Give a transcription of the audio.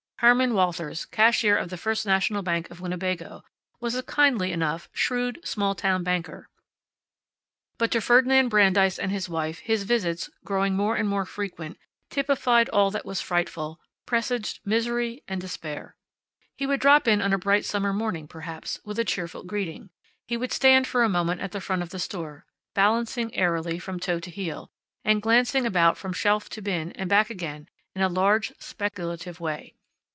Herman Walthers, cashier of the First National Bank of Winnebago, was a kindly enough, shrewd, small town banker, but to Ferdinand Brandeis and his wife his visits, growing more and more frequent, typified all that was frightful, presaged misery and despair. He would drop in on a bright summer morning, perhaps, with a cheerful greeting. He would stand for a moment at the front of the store, balancing airily from toe to heel, and glancing about from shelf to bin and back again in a large, speculative way.